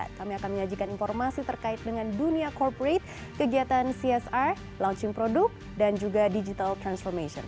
kami akan menyajikan informasi terkait dengan dunia corporate kegiatan csr launching produk dan juga digital transformation